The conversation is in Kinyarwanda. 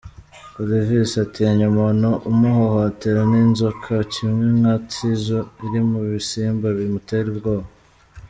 Olivis : Atinya umuntu umuhohotera n’inzoka, kimwe nka Tizzo iri mu bisimba bimutera ubwoba.